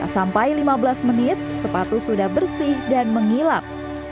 sampai lima belas menit sepatu sudah bersih dan menghilap